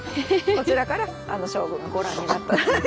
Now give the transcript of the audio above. こちらから将軍がご覧になった。